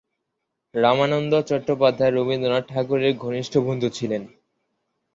রামানন্দ চট্টোপাধ্যায় রবীন্দ্রনাথ ঠাকুরের ঘনিষ্ঠ বন্ধু ছিলেন।